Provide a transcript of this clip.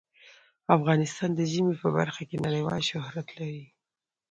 افغانستان د ژمی په برخه کې نړیوال شهرت لري.